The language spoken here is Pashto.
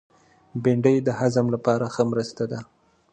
بېنډۍ د هضم لپاره ښه مرسته ده